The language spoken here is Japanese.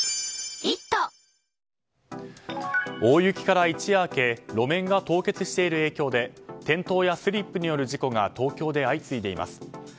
大雪から一夜明け路面が凍結している影響で転倒やスリップによる事故が東京で相次いでいます。